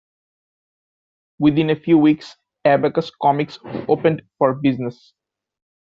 Within a few weeks, Abacus Comics opened for business.